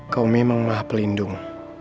kau memang maha pelindung